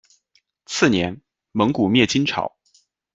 次年，蒙古灭金朝。